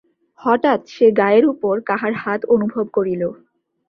হঠাৎ সে গায়ের উপর কাহার হাত অনুভব করিল।